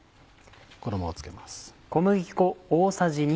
衣を付けます。